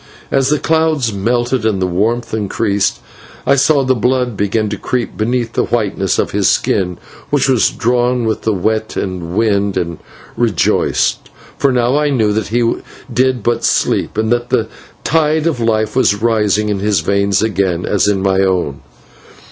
As the clouds melted and the warmth increased, I saw the blood begin to creep beneath the whiteness of his skin, which was drawn with the wet and wind, and rejoiced, for now I knew that he did but sleep, and that the tide of life was rising in his veins again, as in my own.